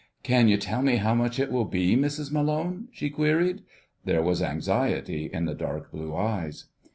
"Can you tell me how much it will be, Mrs Malone?" she queried. There was anxiety in the dark blue eyes.